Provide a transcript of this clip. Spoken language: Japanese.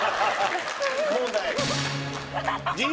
問題。